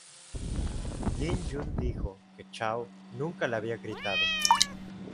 Lin Yun, dijo que Chow nunca le había gritado.